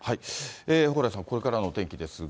蓬莱さん、これからのお天気ですが。